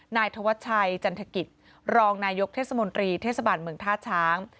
นายธวัชชัยจันทกิจรองนายกเทศมนตรีเทศบาลเมืองท่าช้าง